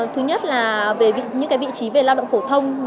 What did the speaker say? thứ nhất là những cái vị trí về lao động phổ thông